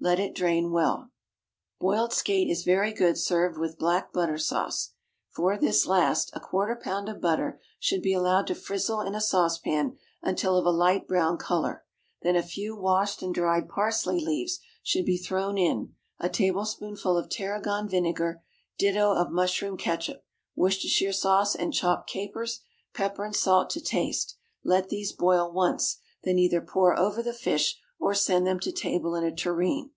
Let it drain well. Boiled skate is very good served with "Black Butter" sauce. For this last, a quarter pound of butter should be allowed to frizzle in a saucepan until of a light brown colour, then a few washed and dried parsley leaves should be thrown in, a tablespoonful of tarragon vinegar, ditto of mushroom ketchup, Worcestershire sauce, and chopped capers, pepper and salt to taste. Let these boil once, then either pour over the fish or send to table in a tureen.